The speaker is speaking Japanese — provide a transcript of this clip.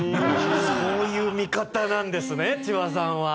そういう見方なんですね千葉さんは。